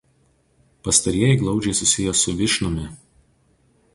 Pastarieji glaudžiai susiję su Višnumi.